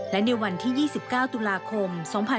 และในวันที่๒๙ตุลาคม๒๕๖๒